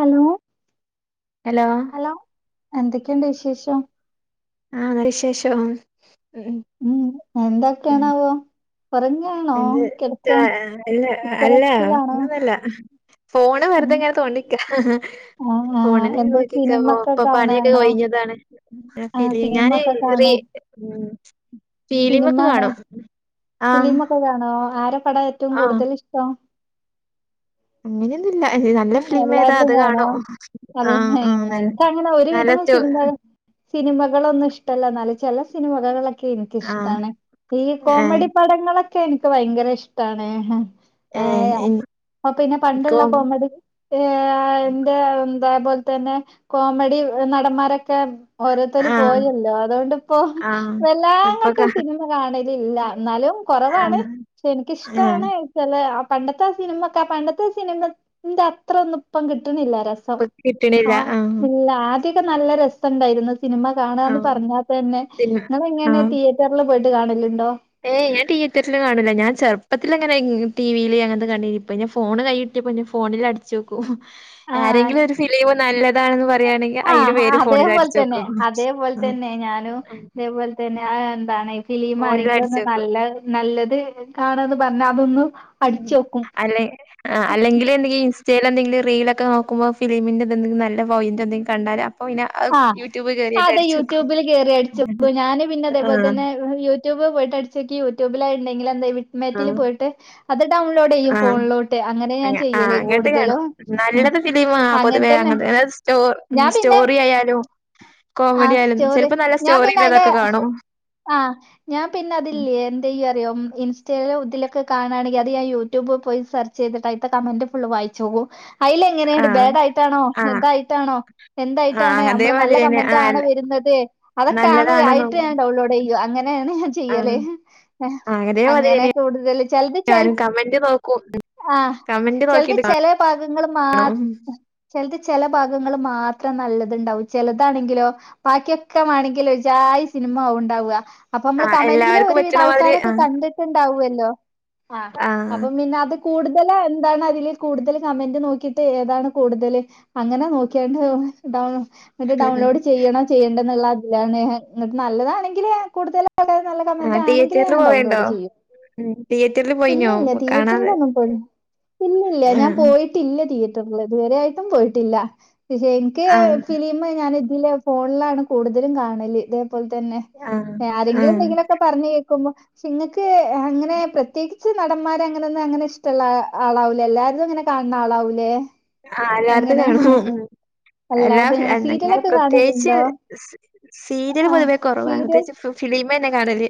Hello hello hello എന്തൊക്കെയുണ്ട് വിശേഷം ആഹ് നല്ല വിശേഷം ഉം ഉം ഉം എന്തൊക്കേണാവോ എന്ത് അല്ല അല്ല ഉച്ചറച്ചിലാണോ അങ്ങനൊന്നും അല്ല ഫോണ് ഉം വെറുതെങ്ങനെ തോണ്ടിക്ക ആ ആ ഫോണില് എന്താ നോക്കിക്ക സിനിമ ഒക്കെ ഇപ്പൊ പണിയൊക്കെ കാണാണോ ഒയ്ഞ്ഞതാണ് ഞാന് ആ ഫിലി സിനിമ ഞാന് ഒക്കെ റീ കാണോ ഉം ഫീലിം ഒക്കെ കാണും ആഹ് ഫിലിമൊക്കെ കാണോ ആരെ പടാ ഏറ്റവും ആഹ് കൂടുതൽ ഇഷ്ടം അങ്ങനെയൊന്നുല്ല നല്ല ഫിലിം ഏതാ അത് എല്ലാവരുടെയും കാണും ആഹ് ആഹ് നല്ല ഇൻക് അങ്ങനെ ഒരു നല്ല വിധം സ്റ്റോ സിനിമകള് സിനിമകളൊന്നും ഇഷ്ടല്ല എന്നാലും ചെല സിനിമകളൊക്കെ ആഹ് എനിക്കിഷ്ടാണ് ഈ ഏഹ് കോമഡി പാടങ്ങളൊക്കെ എനിക്ക് ഭയങ്കര ഇഷ്ടാണ് ഏഹ് ഇപ്പം പിന്നെ പണ്ടുള്ള എനിക്കും കോമഡി ഏഹ് എന്താ എന്താൽപോൽതന്നെ കോമഡി നടന്മാരൊക്കെ ഓരോത്തര് ആഹ് പോയല്ലോ അതോണ്ട്പ്പോ ആഹ് വല്ലാങ്ങട്ട് ഇപ്പൊക്കെ സിനിമ കാണലില്ല എന്നാലും കൊറവാണ് ആഹ് പക്ഷെ ഏഹ് എനിക്കിഷ്ടാണ് എന്തെച്ചാല് ആ പണ്ടത്തെ ആ സിനിമൊക്കെ ആ പണ്ടത്തെ സിനിമന്റെ അത്രൊന്നും ഇപ്പം കിട്ടണില്ലാലൊ പ്പം ഇപ്പൊ കിട്ടണില്ല ആഹ് ഇല്ല ആഹ് ദ്യൊക്കൊ നല്ല രസണ്ടായിരുന്നു സിനിമ കാണ്യാന്ന് ആഹ് പറഞ്ഞാ തന്നെ സിനിമ ഇങ്ങളെങ്ങന്യാ ആഹ് തീയേ റ്റർല് പോയിട്ട് കാണലുണ്ടോ ഏയ് ഞാൻ തീയേറ്ററില് കാണൂല്ല ഞാൻ ചെറുപ്പത്തിലങ്ങനെ ടിവില് അങ്ങനത്തെ കണ്ടീനി ഇപ്പം ഫോണ് കയ്യ് കിട്ടേപ്പം ഞാൻ ഫോണില് അട്ച്ചോക്കും ആഹ് ആരെങ്കിലും ഒരു ഫിലിം നല്ലതാണെന്ന് പറയാണെങ്കിൽ അയിൻ്റെ ആഹ് പേര് ഫോണില് അതേപോലെ അടിച്ച് തന്നെ. നോക്കും അതേപോലെ തന്നെ ഞാനും അതേപോലെ തന്നെ അത് എന്താണ് ഫിലിം ഫോണിൽ ആരെങ്കിലും അടിച്ചു ഒന്നും നോക്കും നല്ലത് നല്ലത് കാണാന്ന് പറഞ്ഞാ അതൊന്നും അല്ലെ അല്ലെങ്കില് എന്തെങ്കിലും ഇൻസ് സ്റ്റാലെന്തെങ്കിലും റീലൊക്കെ നോക്കുമ്പം ഫിലിമിന്റെ എന്തെങ്കിലും നല്ല പോയിൻ്റ് എന്തെങ്കിലും കണ്ടാല് പിന്നെ അത് ആഹ് യൂട്യൂബ് കേറിയിട്ട് അതെ അടിച്ചു നോക്കും യൂട്യൂബില് കേറി അടിച്ചോക്കും ഞാന് പിന്നെ ഇതേപോലെ ആഹ് തന്നെ യൂട്യൂബ് പോയിട്ടടിച്ചോക്കി യൂട്യൂബിലത് ഉണ്ടെങ്കിൽ എന്ത മെറ്റിൽ ആഹ് പോയിട്ട് അത് ഡൗൺലോഡ് ചെയ്യും ആഹ് ഫോണിലോട്ട് അങ്ങനെ ഞാൻ അങ്ങ ആഹ് ചെയ്യല് അങ്ങനത്തെ കാണും കൂടുതലും ഉം നല്ലത് ഫിലിമാ പൊതുവേ അങ്ങൻതന്നെ. അങ്ങൻത്തത് അത് സ്റ്റോ ഞാൻ പിന്നെ സ്റ്റോറി ആയാലും ആ കോമഡി ആയാലും സ്റ്റോറി ചെലപ്പം നല്ല ഞാൻ പിന്നെ അയിന്റെ സ്റ്റോറിള്ളതൊക്കെ കാണും ആഹ് ഞാൻ പിന്നെ അതില്ലേ എന്താചെയ്യാ അറിയോ ഇൻസ്റ്റ ഇതിലൊക്കെ കാണാണെങ്കിൽ അത് ഞാൻ യൂട്യൂബ് പോയി സെർച്ച് ചെയ്തിട്ട് അയ്ത്തെ കമന്റ് ഫുള്ള് വായിച്ചോക്കും അയില് എങ്ങനെയുണ്ട് ആഹ് ബാഡ് ആയിട്ടാണോ ആഹ് എന്തായിട്ടാണോ എന്തായിട്ടാണ് ആഹ് നമ്മള് നല്ല അതേമാതിരിന്നെ കമെന്റ് ട്ടാണ് ആഹ് വരുന്നത് അതൊക്കെ ആാണ് നല്ലതാണെന്ന് ആയിട്ട് ഞാൻ ഡൗൺലോഡ് ചെയ്യൂ അങ്ങനെയാണ് ഞാൻ ചെയ്യല് ഏഹ് അതേമാതിരി തന്നെ ഞാനും കമന്റ് നോക്കും ആഹ് കമന്റ് ചിലത് നോക്കിട്ട് ചെല ഭാഗങ്ങൾ കാണും മാത്ര ചിലത് ചില ഭാഗങ്ങൾ മാത്രം നല്ലതുണ്ടാവും ചിലതാണെങ്ക ബാക്കിയൊക്കെ വേണമെങ്കിലോ ഒരു ജായി സിനിമാവും ഉണ്ടാവുക അപ്പൊ നമ്മള് ആഹ് കമന്റില് എല്ലാവർക്കും ഒരുവിധ പറ്റണ മാതിരി ആൾക്കാരൊക്കെ ആഹ് കണ്ടിട്ടുണ്ടാവുമല്ലോ ആ ആഹ് അപ്പൊ പിന്നെ അത് കൂടുതൽ എന്താണ് അതിൽ കൂടുതൽ കമന്റ് നോക്കിയിട്ട് ഏതാണ് കൂടുതൽ അങ്ങനെ നോക്കിയാണ്ട് ഡൗൺ എന്നിട്ട് ഡൗൺലോഡ് ചെയ്യണോ ചെയ്യേണ്ട എന്നുള്ള അതിലാണ് എന്നിട്ട് നല്ലതാണെങ്കിൽ കൂടുതൽ നല്ല ആഹ് കമന്റ് ആണെങ്കില് തിയേറ്ററിൽ ഞാൻ പോവേണ്ടോ ഡൗൺലോഡ് ചെയ്യും ഉം തിയേറ്ററിൽ പോയിനോ ഇല്ലല്ല കാണാതെ തിയേറ്ററിലോന്നും പോയി ഇല്ലല്ല ഞാൻ ആഹ് പോയിട്ട് ഇല്ല തിയേറ്ററില് ഇതുവരൊയിട്ടും പോയിട്ടില്ല. പക്ഷേ ഇന്ക്ക് ആഹ് ഫിലിം ഞാൻ ഇതില് ഫോണിലാണ് കൂടുതലും കാണല് ഇതേപോലെ തന്നെ ആഹ് ആരെങ്കിലും ആഹ് എന്തെങ്കിലൊക്കെ പറഞ്ഞ് കേക്കുമ്പോ പക്ഷേ നിങ്ങൾക്ക് അങ്ങനെ പ്രത്യേകിച്ച് നടന്മാർ അങ്ങനെന്നും അങ്ങനെ ഇഷ്ടള്ള ആളാവൂല എല്ലാവരും അങ്ങനെ കാണ് ണആളാവൂലേ? ആഹ് എല്ലാര്തും കാണും ഉം അല്ലാതെ ഇങ്ങനെ എല്ലാങ്ങനെ സീരിയലൊക്കെ പ്രത്യേകിച്ച് കാണലുണ്ടോ സീ സീരിയല് ആഹ് പൊതുവേ കുറവാണ് സീരിയൽ പ്രത്യേകിച്ച് ഫിലിമ തന്നെ കാണല്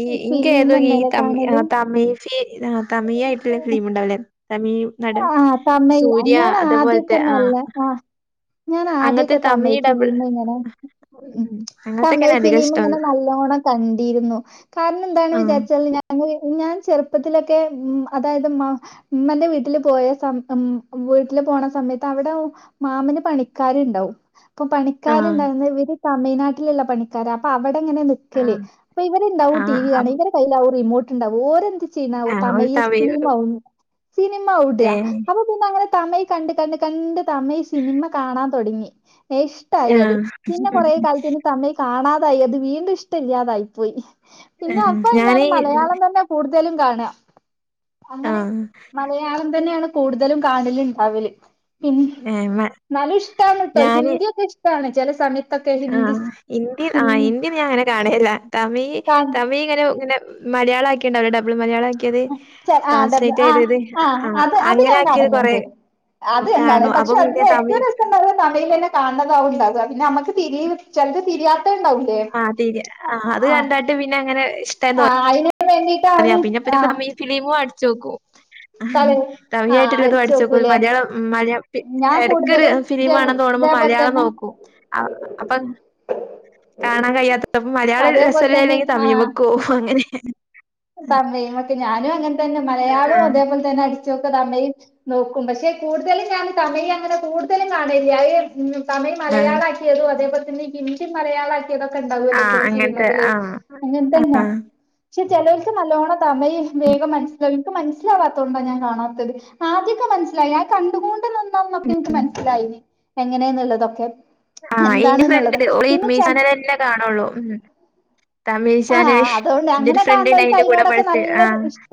ഈ ഇന്ക്ക് ഏതൊ ഈ ഫിലിമെന്നെല്ലേ കാണല് തമിഴ് ഫി തമിഴ് ആയിട്ടുള്ള ഫിലിം ഉണ്ടാവില്ലേ? തമിഴ് നടൻ ആഹ് തമിഴ് സൂര്യ ഞാൻ അതേപോലത്തെ ആദ്യൊക്കെ ആഹ് നല്ല ആഹ് ഞാന് അങ്ങനത്തെ ആദ്യക്കെ തമിഴ് ഡബിൾ ഫിലിം ഇങ്ങനെ ഉം അങ്ങനത്തൊക്കെയാണ് തമിഴ് അധികം ഫിലിം ഇഷ്ടം. ഇങ്ങനെ നല്ലോണം കണ്ടിരുന്നു കാരണം എന്താണ് ആഹ് വിചാരിച്ചൽ ഞാൻ ഞാൻ ചെറുപ്പത്തിലൊക്കെ ഉ അതായത് ഉമ്മ് ഉമ്മന്റെ വീട്ടിൽ വീട്ടില് പോയ സ ഉം വീട്ടില് പോണ സമയത്ത് അവിടെ മാമന് പണിക്കാരു ഉണ്ടാവും. ഇപ്പൊ പണിക്കാർ ആഹ് എന്തായി ഇവര് തമിഴ്നാട്ടിലുള്ള പണിക്കാരാ അപ്പൊ അവിടെങ്ങനെ നി വീട്ടിൽ ആഹ് അപ്പ ഇവരുണ്ടാവും ടി ആഹ് വി കാണാ അപ് ഇവരെ കയ്യിൽ ആകും റിമോട്ട് ഉണ്ടാവ ഓരെന്ത് [unintelligible] ആഹ് ഒരു തമിഴ് ഫിലിം ആകും സിനിമ ഇടുക ഏഹ് അപ്പൊ പിന്നെ അങ്ങനെ തമിഴ് കണ്ട് കണ്ട് കണ്ട് തമിഴ് സിനിമ കാണാൻ തെടങ്ങി. ഇഷ്ടായി അത് ആഹ് പിന്നെ കുറേ കാലത്തിന് തമിഴ് കാണാതായി അത് വീണ്ടും ഇഷ്ട ഇല്ലാതായി പോയി. പിന്നെ ആഹ് അപ്പൊ ഞാൻ ഞാന് മലയാളം തന്നെ കൂടുതലും കാണാ. അങ്ങനെ മലയാളം തന്നെയാണ് കൂടുതലും കാണലുണ്ടാവല്. പിന്നേ ഏഹ് മ ന്നാലും ഇഷ്ടാണ് കേട്ടോ ഞാന് ഹിന്ദിയൊക്കെ ഇഷ്ടാണ് ചില സമയത്ത് ആഹ് ഹിന്ദി ആ ഹിന്ദി ഞാൻ അങ്ങനെ കാണലില്ല. തമിഴ് കാൺ തമിഴ് ഇങ്ങനെ ഇങ്ങനെ മലയാളാക്കിണ്ടല്ലോ ഡബിൾ മലയാള ച ആ ഡബ് ആ ആഹ് അത് അത് അങ്ങനെ ഞാൻ ആക്കിയത് കൊറേ കാണലുണ്ട്. അത് ആഹ് ന്താണ് കാണും. അപ്പൊ പക്ഷേ അതിന് പിന്നെ ഏറ്റവും തമിഴ് രസം പറഞ്ഞാൽ തമിഴ് തന്നെ കാണതാവുണ്ടാവ പിന്നെ നമുക്ക് തിരി ചെലത് തിരിയാത്തേ ഉണ്ടാവൂ. ആഹ് തിരി ആ അത് കണ്ട്ങ്ങാണ്ട് പിന്നെ അങ്ങനെ ഇഷ്ട ആഹ് അതിനോക്കെ വേണ്ടി അതെ പിന്നെ പ്പോ തമിഴ് ഫിലിമും അടിച്ചു നോക്കും. [inaudible] ആ തമിഴ് ആയിട്ടിള്ളത് അടിച്ചു അടിച്ചൊക്കും വെക്കൂലേ മലയാളം മലയാ ഞാൻ എടക്കോരു കൂടുതലും ഫിലിം ജ കാണാൻ തോന്നുമ്പോ ഇതേപോലെ മലയാളം തന്നെ നോക്കും. അ അപ്പം കാണാൻ കഴിയാത്തപ്പം മലയാളം അതേപോലെ രസല്ലേ തന്നെ അല്ലെങ്കിൽ തമിഴ്മക്ക് പോവും അങ്ങനെ. പറഞ്ഞയ്മക്ക് ഞാനും അങ്ങനെ തന്നെ മലയാളവും ആഹ് അതേപോലെ അടിച്ചൊക്കെ തമിഴ് നോക്കും പക്ഷേ കൂടുതലും ഞാൻ തമിഴ് അങ്ങനെ കൂടുതലും കാണേല്ല. ഉം തമിഴ് ആഹ് മലയാളാക്കിയതും അതേപോലെ തന്നെ ഹിന്ദി മലയാള ആ തൊക്കെ ഉണ്ടാവുല്ലോ ആഹ് ചില അങ്ങനത്തെ സിനിമകള് ആഹ് അങ്ങത്തന്നെ ആഹ് ചെലോൽക്ക് നല്ലോണ്ണം തമിഴ് വേഗം മനസ്സിലാവും, ഇൻക്ക് മനസ്സിലാവാത്തോണ്ടാ ഞാൻ കാണാത്തത്. ആദ്യക്കെ മനസ്സിലായിനി അത് കണ്ടുകൊണ്ട് നിന്നന്നൊക്കെ എനിക്ക് ഉം മനസ്സിലായിനി. എങ്ങനെന്നുള്ളതൊക്കെ. ആ എന്റെ ഫ്രണ്ട് എന്താണ്ന്നുള്ളത് ഉണ്ട് ഓള് പിന്നെ ഇട്മി ചെ ചാനലന്നെ കാണുള്ളൂ. ഉം തമിഴ് ആഹ് ചാനൽ അതുകൊണ്ട് എന്റെ ഒരു അങ്ങനെ ഫ്രണ്ട് ണ്ടായിനി കാണുന്നവർക്ക് എൻ്റെ കൂടെ അതിനോടൊക്കെ പഠിച്ച് നല്ല ആഹ്. ഇഷ്ട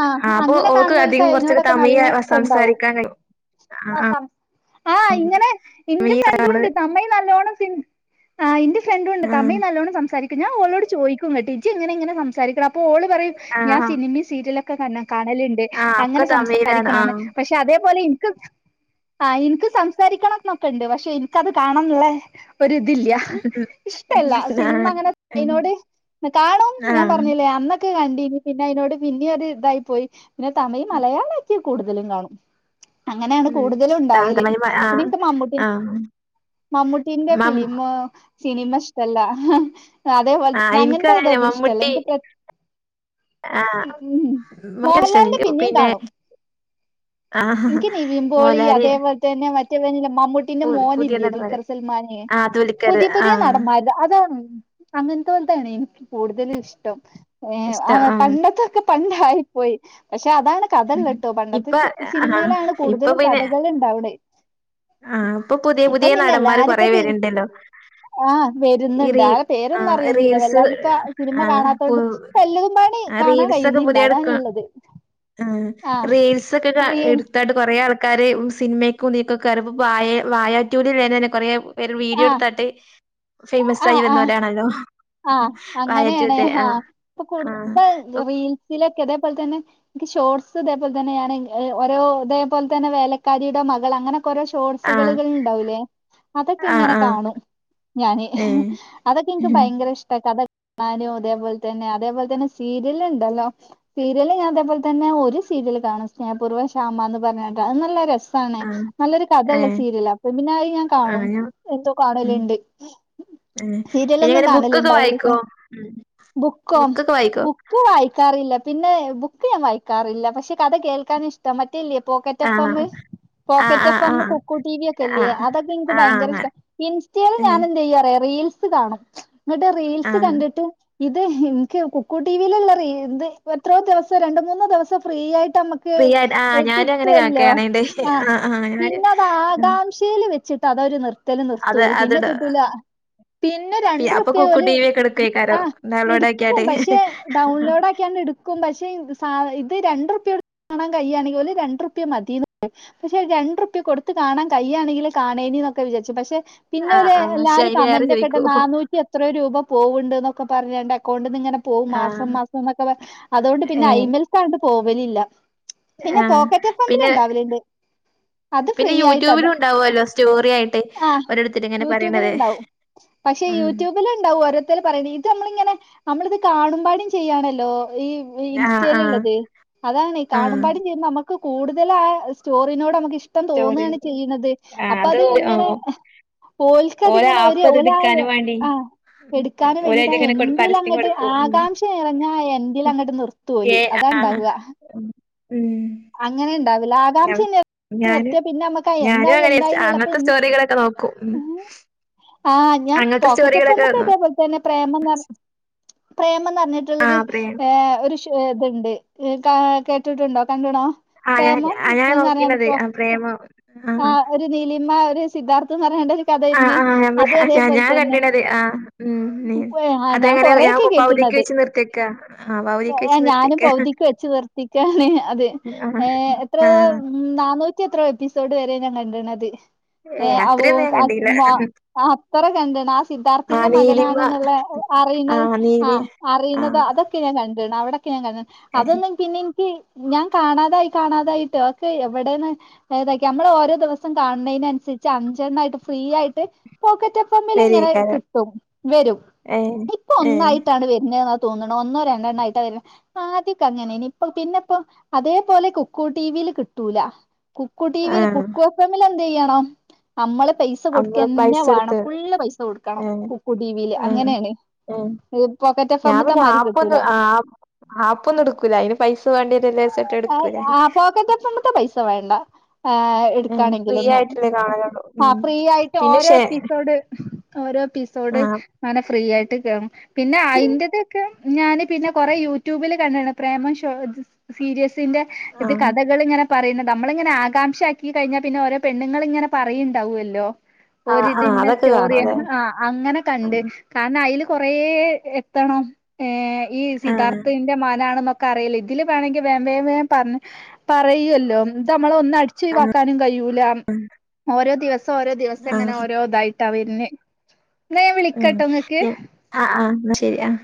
ആഹ് ആ അപ്പോ അങ്ങനെ ഓൾക്ക് കാണുന്നവർക്ക് അധികം കുറച്ചൊക്കെ അതിനോടൊക്കെ നല്ല തമിഴ് ഇഷ്ടണ്ടാവും സംസാരിക്കാൻ കഴിയും ആഹ് ആ ആഹ്. സം ആഹ് ഇങ്ങനെ എന്റെ തമിഴ് ഫ്രണ്ടും ഉണ്ട് നമ്മള് തമിഴ് നല്ലോണം സി ആഹ് ഇന്റെ ഫ്രണ്ടും ഉണ്ട് ആഹ് തമിഴ് നല്ലോണം സംസാരിക്കും ഞാൻ ഓളോട് ചോദിക്കുംന്നട്ട് ഇജ്ജ് എങ്ങനെ ഇങ്ങനെ സംസാരിക്കണെ, അപ്പോ ഓള് പറയും ഞാൻ ആഹ് സിനിമയും സീരിയലൊക്കെ കാണ കാണലു ണ്ട് ആഹ് ഒക്കെ അങ്ങനെ തമിഴിലാണ് സംസാരിക്കണാണ് ആഹ് പക്ഷേ അതേപോലെ ഇൻക്ക് ആഹ് ഇൻക്ക് സംസാരിക്കണം എന്നൊക്കെ ഇണ്ട്, പക്ഷെ എനിക്കത് കാണണന്ന്ള്ളേ ഒരിതില്ല ഇഷ്ടല്ല സിനിമ ആഹ് അങ്ങനെ ഉം അയിനോട് കാണും ഞാൻ ആഹ് പറഞ്ഞില്ലേ അന്നൊക്കെ കണ്ടിനി പിന്നെ അതിനോട് പിന്നെ ഒര് ഇതായി പോയി. പിന്നെ തമിഴ് മലയാളാക്കിയാൽ കൂടുതലും കാണും. അങ്ങനെയാണ് ഉം കൂടുതലും ഉണ്ടാവല് താതമയിമ പിന്നെ ആഹ് ഇൻക്ക് മമ്മൂട്ടിനെ ആഹ് മമ്മൂട്ടിന്റെ മം ഫിലിം സിനിമ ഇഷ്ടല്ല, ഹ് അതെ പോലെ ആഹ് ഇൻക്ക് അങ്ങൻത്തെ അങ്ങനെന്നെ ഇതൊന്നു ഇഷ്ടല്ല മമ്മൂട്ടി ഇൻക്ക് പ്ര ആഹ് ഉം ഭയങ്കര ഇഷ്ടാ മോഹൻലാലിന്റെ ഇൻക്ക് പിന്നിം പിന്നെ കാണും. ആഹ് ഇൻക്ക് നിവിൻ പോളി മോഹൻലാല് അതേ പോലെ തന്നെ മറ്റേ ഇവൻ ഇല്ലേ മമ്മു ട്ടിന്റെ പു പുതിയ മോനില്ലേ നടവരെ ദുൽഖർ സൽമാൻ ആ തൊലിക്കര് പുതിയ ആ പുതിയ നടന്മാര് അതാണ് അങ്ങൻത്തോൽതാണ് എനിക്ക് കൂടുതലും ഇഷ്ടം. ഏഹ്, ആ പണ്ടത്തൊക്കെ പണ്ടായിപ്പോയി. പക്ഷേ അതാണ് കഥള്ളത്ട്ടോ പണ്ടത്തെ ഇപ്പൊ ഫി ആ സിനിമയിലാണ് കൂടുതലും കഥകളുണ്ടാവ്ണെ. ആഹ്, ഇപ്പോ പുതിയ പുതിയ നടന്മാര് കൊറേ വരുണ്ടല്ലോ. ആ ഈ വരുന്നുണ്ട് റീ ആ പേരൊന്നും ആഹ് അറിയുന്നില്ല റീൽസ് വല്ലാണ്ട് ഇപ്പ സിനിമ ആഹ് പു കാണാത്തോണ്ട് ഇപ്പ എല്ലതും പാണി ഹ് കാണാൻ റീൽസൊക്കെ കഴിയുന്നില്ല പുതിയ എടുക്ക, അതാണുള്ളത് ആഹ് ആ റീൽസ് സക്കെ എടുത്താട്ട് കുറെ ആൾക്കാര് സിനിമക്കും ഇതീക്കൊ ക്കാര് വാഴ വാഴ ടു ൽ ഉള്ളവർ തന്നെ കൊറെ പേര് വീഡിയോ ആ എടുത്താട്ട് ഫേമസ് ആ ആയി ആ വന്നോലാണല്ലോ. ആഹ് അങ്ങനെണ് ആഹ് ഇപ്പോ ആ കൂടുത ഇപ്പോ റീൽസിലൊക്കെ ഇതേപോലെ തന്നെ ഇൻക്ക് ഷോർട്സ് അതേപോലെ തന്നെയാണ് ഓരോ അതേപോലെ തന്നെ വേലക്കാരിയുടെ മകൾ അങ്ങനെ ക്കൊരോ ആ ഷോർട്സുകളുകൾ ഉണ്ടാവുലേ അതൊക്കെ ആ ഇങ്ങനെ ആ കാണും. ഞാന്, ഏ ഹ് അതൊക്കെ എനിക്ക് ഭയങ്കര ഇഷ്ട കഥ കാണാനും അതേപോലെ തന്നെ അതേപോലെ തന്നെ സീരിയൽ ഉണ്ടല്ലോ സീരിയല് ഞാൻ അതേപോലെ തന്നെ ഒരു സീരിയൽ കാണും സ്നേഹപൂർവ്വം ഷാമ എന്ന് പറഞ്ഞാട്ട് അത് നല്ല രസ സാണ് ആ നല്ലൊരു കഥ ഉള്ള ഏ സീരിയല [unintelligible] അത് ഞാൻ ആഹ് കാണും ഞാൻ എന്നും ഉം കാണലുണ്ട്. ഏഹ് സീരിയലൊന്നും പിന്നെങ്ങനെ ബുക്കൊക്കെ വായിക്കോ? കാണലുണ്ടാവില്ല ഉം ബുക്കോ ബുക്കൊക്കെ വായിക്കോ? ബുക്ക് വായിക്കാറില്ല, പിന്നെ ബുക്ക് ഞാൻ വായിക്കാറില്ല, പക്ഷേ കഥ കേൾക്കാൻ ഇഷ് ട. മറ്റേ‌ ഇല്ലേ പോക്കറ്റ് എഫ് ആഹ് എമ്മ്. ആഹ് പോക്കറ്റ് ആഹ് എഫ് എമ്മ്, ആഹ് കുക്കു ടി വി ഒക്കെല്ലേ ആഹ് അതൊക്കെ എനിക്ക് ആഹ് ആഹ് ഭയങ്കര അങ്ങനെ ഇഷ്ടാ. ഇൻസ്റ്റേല് ഞാൻ ഏഹ് എന്ത് ചെയ്യുന്നറിയോ റീൽസ് കാണും, ഇങ്ങട്ട് റീൽസ് ആഹ് കണ്ടിട്ട് ഇത് എനിക്ക് കുക്കു ടി വി ലുള്ള റീൽ ഇത് എത്രോ ദിവസം രണ്ട് മൂന്ന് ദിവസം ഫ്രീ ആയിട്ട് നമ്മ ക്ക് ഫ്രീ ആയിട്ട് ആഹ് ഓൽക്ക് ഞാനും അങ്ങനെ കിട്ടൊല്ലോ കാക്കേണേന്റെ ആ ആഹ് ആഹ് ഞാന് പിന്നത് ഉം ആകാംക്ഷ ക്ഷേൽ വെച്ചിട്ട് അതവര് നിർത്തല് നിർത്തും അത് ഓൽ പിന്നെ അത്ട കിട്ടൂല പിന്നെ പി രണ്ടു റു അപ്പൊ കുക്കു ടി വി ഒക്കെ എടുക്കേക്കാരം ഡൗൺലോഡ് ആക്കിയാട്ട്. ഹ് ഹ് ഹ് ഹ് ആണ്ട് എടുക്കും പക്ഷെ ഇത് സാ ഇത് രണ്ട്ർപ്യ കൊട്ത്ത് കാണാൻ കഴി യാണെങ്കിൽ ഓല് രണ്ട്ർപ്യ മതീന്ന് പറയും. പക്ഷെ രണ്ട്ർപ്യ കൊടുത്ത് കാണാൻ കയ്യാണെങ്കിൽ കാണേണി എന്നൊക്കെ വിചാരിച്ചു പക്ഷെ പിന്നെ ആഹ് ഓല് ആഹ് പക്ഷെ എല്ലാരും അയിന് ഏറെ കമന്റൊക്കെട്ട് ചോയിക്കും നാനൂറ്റി എത്രയോ രൂപ പോവുണ്ട്ന്നൊക്കെ പറഞ്ഞാണ്ട് അക്കൗണ്ട്ന്ന് ഇങ്ങനെ പോവും മാസം ആഹ് മാസം എന്നൊക്കെ പറഞ്ഞിട്ട് അതുകൊണ്ട് പിന്നെ ഏഹ് ഐമൽക്കാണ്ട് പോവലില്ല. പിന്നെ ആഹ് പോക്കറ്റ് എഫമ്മില് പിന്നെ ഇണ്ടാവല്ണ്ട്. പിന്നെ യൂട്യൂബിലുണ്ടാവല്ലോ സ്റ്റോറി ആയിട്ട് ആ ഓരെട്ത്തെര്ങ്ങനെ യൂട്യൂബിൽ പറയണത്. ഉണ്ടാവും പക്ഷെ ഉം യൂട്യൂബ് ബിലുണ്ടാവും ഓരോത്തര് പറയണേ ഇത് നമ്മളിങ്ങനെ നമ്മളിത് കാണുംപാടും ചെയ്യാണല്ലോ ഈ ആഹ് ആഹ് ഇൻസ്റ്റയിലിള്ളത് അതാണ് കാണും ആഹ് പാടും ചെയ്യും നമുക്ക് കൂടുതൽ ആ സ്റ്റോറീനോട് നമുക്ക് ഇഷ് ട്ടം തോന്നുവാണ് സ്റ്റോറി ചെയ്യണത് ആഹ് അപ്പ അത് ഇങ്ങനെ ഓഹ് ഓൽക്കതിങ്ങനെ ഒരു ഓലായിയെ ഈ എടുക്കാന് വേണ്ടിട്ടാ എൻഡിലങ്ങട്ട് കൊടുക്കും ഉം ആകാംക്ഷ നിറഞ്ഞ എൻഡിലങ്ങട്ട് നിർ ത്തു ഓല് ഏ അതാണ്ടാവ ഉം അങ്ങനെ ഇണ്ടാവില്ല ഞ ആകാംക്ഷയില്ലെ ഞാനും നിർത്തിയ പിന്നെ നമ്മക്ക് ഞാനും എന്തായി അങ്ങനെ സ്റ്റ- എന്തായിന്നളപ്പ അങ്ങനത്തെ ഉം സ്റ്റോറികളൊക്കെ നോക്കും ഉം ആഹ് ഞാൻ അങ്ങനത്തെ പോക്കറ്റ് സ്റ്റോറികളൊക്കെ എഫോമ്ക്ക് കേ അതുപോലെ തന്നെ പ്രേമന്ന് പറഞ്ഞ പ്രേമന്ന് പറഞ്ഞിട്ടുള്ളൊരു ആഹ് പ്രേമം ഏഹ് ഒരിഷ് ചുവേത്ണ്ട് ക കേട്ടിട്ടുണ്ടോ കന്നഡ ആഹ് ഞാൻ പ്രേമം ആഹ് ഞാൻ എന്നറിയാണ്ട് നോക്കീണത് പോ ആഹ് പ്രേമം ആഹ് ഒരു നീലിമ ഒര് സിദ്ധാത്ഥ്ന്ന് പറയേണ്ട ഒരു കഥ ആയിരുന്നു അത് അതേപോലെ തന്നെ തിനത് ആഹ് ഉം ആ അതെങ്ങനെ ഞാൻ കൊറെയൊക്കെ കു പകുതിക്ക് കേട്ട്ണത് വെച്ച് നിർത്തേക്ക ഞാനും പകുതിക്ക് വെച്ചു നിർത്തിക്കാണ് അത് ആഹ് ഏഹ് എത്രയോ ആഹ് ഉം നാന്നൂറ്റി എത്രോ എപ്പിസോഡ് വരെ ഞാൻ കണ്ടിണത് ഏഹ് അവു അത്രയൊന്നും ഞാൻ കണ്ടീല്ല കാത്തുമ്മ ആഹ് അത്തറ് കങ്കണാ സിദ്ധാർത്ഥിന്റെ ആഹ് മകനാണ് നീലിമ ന്ന്ള്ള അറിയുന്നത് ആഹ് നീലി ആഹ് അറിയുന്നത് ആഹ് അതൊക്കെ ക്കെ ഞാൻ കണ്ട്ണ് അവിടക്കെ കണ്ട് ഏഹ് അതൊന്നും പിന്നെ എനിക്ക് ഞാൻ കാണാതായി കാണാതായിട്ട് ഒക്കെ എവിടെന്ന് ഏതാക്കി ഞമ്മളെ ഓരോ ദിവസം കാണതിനനുസരിച്ച് അഞ്ചെണ്ണായിട്ട് ഫ്രീ ആയിട്ട് പോക്കറ്റ് എഫ് എമ്മിൽ ഇങ്ങനെ വരേക്കാരം കിട്ടും വരും ഏഹ് ഇപ്പൊ ഏഹ് ഒന്നായിട്ടാണ് വരണെന്ന് തോന്നണു ഒന്നോ രണ്ടെണ്ണോ ആയിട്ടാ വരുന്നേ ആദ്യോക്കെ അങ്ങനെനി ഇപ്പ പിന്നെപ്പോ അതേപോലെ കുക്കൂ ടിവില് കിട്ടൂല കുക്കു ടിവില് ആഹ് കുക്കു എഫമില് എന്ത് ചെയ്യണം നമ്മള് പൈസ നമ്മള് കൊടുക്കന്നെ പൈസ വേണം കൊടുത്ത് ഫുള്ള് പൈസ കൊടുക്കണം ഏഹ് കുക്കു ടിവില് ഏഹ് അങ്ങനെയാണ് ഏഹ് പോക്കറ്റ് ഞാൻ എഫമ്മ്ത്ത പിന്നെ മാരി ആപ്പൊന്നും കിട്ടൂല ആഹ് ആപ്പൊന്നും എടുക്കൂല്ല അതിന് പൈസ വേണ്ടി വരില്ലേ അയി ആഹ് പോക്കറ്റെഫമ്മിത്തെ പൈസ വേണ്ട ആഹ് ഏഹ് ഫ്രീ എടുക്കാണെങ്കിലൊന്നും ആയിട്ടല്ലേ കാണലൊള്ളൂ ഉം ആഹ് ഫ്രീ ആയിട്ട് പിന്നെ ഓരോ ഷേ എപ്പിസോഡ് ഓരോ എപ്പിസോഡ് ആഹ് അങ്ങനെ ഫ്രീ ആയിട്ട് കേറും പിന്നെ പിൻ അയിന്റതൊക്കെ ഞാന് പിന്നെ കൊറെ യൂട്യൂബില് കണ്ട്ണ് പ്രേമം ഷോ സീരിസിന്റെ ഇത് ആഹ് കഥകളിങ്ങനെ പറയുന്ന നമ്മളിങ്ങനെ ആകാംക്ഷ ആക്കി കഴിഞ്ഞാൽ പിന്നെ ഓരോ പെണ്ണുങ്ങളിങ്ങനെ പറയിണ്ടാവല്ലോ ആഹ് ആഹ് ഒരിതിന്ന അതൊക്കെ കാണും അല്ലേ സ്റ്റോറിയാണ് ആഹ് അങ്ങനെ കണ്ട് ആഹ് കാരണം അയില് കൊറെ എത്തണം ഏഹ് ഈ ആഹ് സിദ്ധാർത്ഥിന്റെ മകനാണ്ന്നൊക്കെ ക്കറിയല്ലോ ഇതില് വേണേങ്കി വേം വേം വേം പറഞ്ഞ് പറയൂല്ലോ ഇത് നമ്മളെന്നടി ച്ച് ആഹ് ഒഴിവാക്കാനും കഴിയൂല ഓരോ ദിവസം ഓരോ ദിവസം ഇങ്ങനെ ആഹ് ഓരോ ഇതായിട്ട് വര്ണ് ഉം യ് ആഹ് ആഹ് എന്നാ ശരി ആഹ്